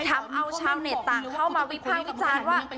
ทำเอาชาวเน็ตต่างเข้ามาวิภาควิจารณ์ว่า